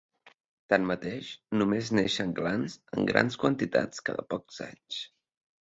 Tanmateix, només neixen glans en grans quantitats cada pocs anys.